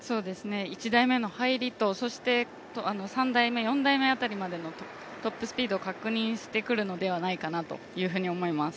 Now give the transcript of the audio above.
１台目の入りと、３４台目辺りでのトップスピードを確認してくるのではないかと思います。